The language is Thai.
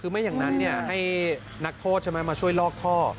คือไม่อย่างนั้นให้นักโทษใช่ไหมมาช่วยลอกท่อ